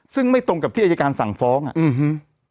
ซึ่งไม่ตรงกับที่อายการสั่งฟ้องอ่ะอืม